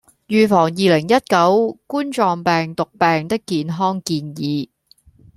預防二零一九冠狀病毒病的健康建議